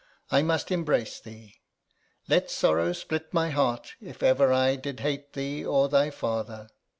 I must embrace thee. Let sorrow split my heart if ever I Did hate thee, or thy father!